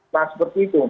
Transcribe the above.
nah seperti itu